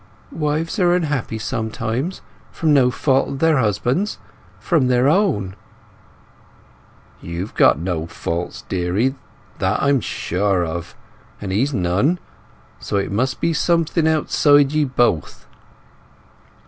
"Wives are unhappy sometimes; from no fault of their husbands—from their own." "You've no faults, deary; that I'm sure of. And he's none. So it must be something outside ye both."